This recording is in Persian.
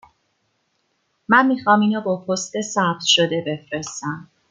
من می خواهم این را با پست ثبت شده بفرستم.